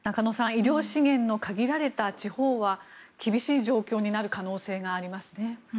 医療資源の限られた地方は厳しい状況になる可能性がありますね。